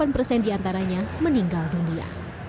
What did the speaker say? delapan persen diantaranya meninggal dunia